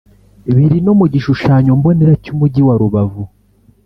biri no mu gishushanyombonera cy’umujyi wa Rubavu